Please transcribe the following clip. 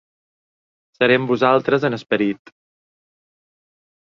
Seré amb vosaltres en esperit.